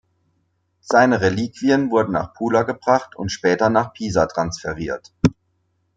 Seine Reliquien wurden nach Pula gebracht und später nach Pisa transferiert.